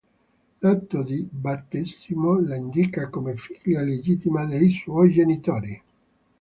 L'atto di battesimo la indica come figlia legittima dei suoi genitori.